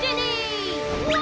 うわ！